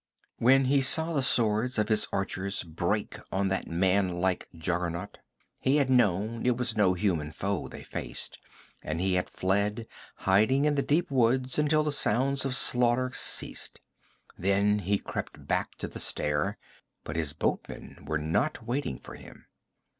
When he saw the swords of his archers break on that man like juggernaut, he had known it was no human foe they faced, and he had fled, hiding in the deep woods until the sounds of slaughter ceased. Then he crept back to the stair, but his boatmen were not waiting for him.